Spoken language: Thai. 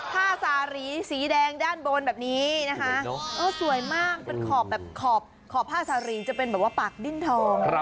ผ้าสารีสีแดงด้านบนแบบนี้นะคะสวยมากเป็นขอบแบบขอบผ้าสารีจะเป็นแบบว่าปากดิ้นทอง